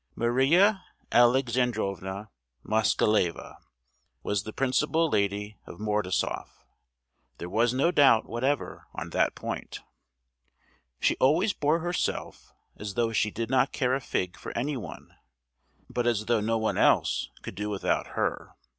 Maria Alexandrovna Moskaleva was the principal lady of Mordasoff—there was no doubt whatever on that point! She always bore herself as though she did not care a fig for anyone, but as though no one else could do without her.